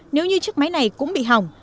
nếu như chiếc máy này cũng bị hỏng